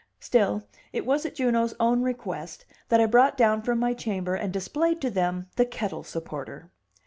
Still, it was at Juno's own request that I brought down from my chamber and displayed to them the kettle supporter.